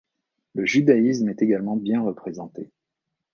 Le judaïsme est également bien représenté.